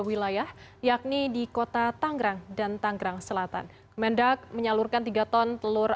wilayah yakni di kota tanggrang dan tanggerang selatan kemendak menyalurkan tiga ton telur